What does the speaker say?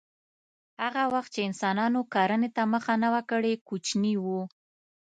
هغه وخت چې انسانانو کرنې ته مخه نه وه کړې کوچني وو